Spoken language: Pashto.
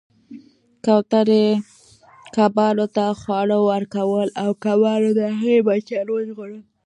کوترې کبانو ته خواړه ورکول او کبانو د هغې بچیان وژغورل